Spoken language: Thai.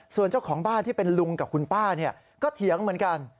ส่วนเจ้าของบ้านที่เป็นลุงกับคุณป้าก็เถียงเหมือนกัน